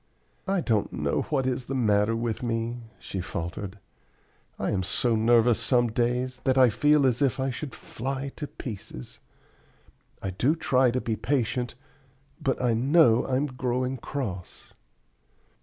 "I don't know what is the matter with me," she faltered. "I am so nervous some days that I feel as if I should fly to pieces. I do try to be patient, but I know I'm growing cross!"